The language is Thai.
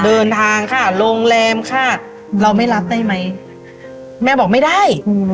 เดินทางค่ะโรงแรมค่ะเราไม่รับได้ไหมแม่บอกไม่ได้